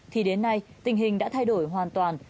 thì đến nay tình hình đã thay đổi hoàn toàn